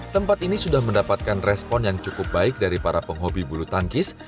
tempat ini sudah mendapatkan respon yang cukup baik dari para penghobi bulu tangkis